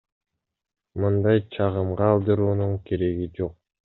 Мындай чагымга алдыруунун кереги жок.